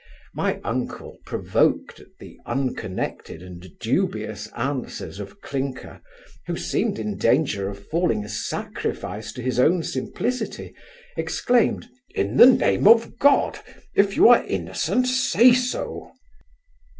My uncle, provoked at the unconnected and dubious answers of Clinker, who seemed in danger of falling a sacrifice to his own simplicity, exclaimed, 'In the name of God, if you are innocent, say so.